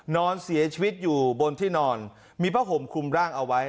นอนเสียชีวิตอยู่บนที่นอนมีผ้าห่มคลุมร่างเอาไว้